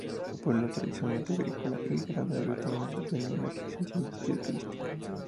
Pueblo tradicionalmente agrícola y ganadero, actualmente tiene una creciente industria turística.